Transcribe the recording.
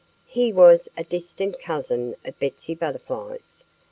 He was a distant cousin of Betsy Butterfly's.